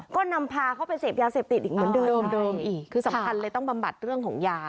ก็นำพาเขาไปเสพยาเสพติดอีกเหมือนเดิมอีกคือสำคัญเลยต้องบำบัดเรื่องของยา